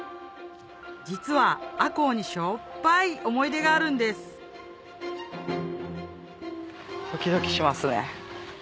実は赤穂にしょっぱい思い出があるんですドキドキしますね。